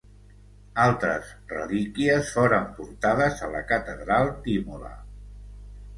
Altres relíquies foren portades a la catedral d'Imola.